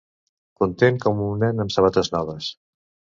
Content com un nen amb sabates noves.